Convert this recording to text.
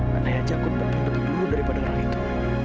padahal aku berpikir dulu daripada orang itu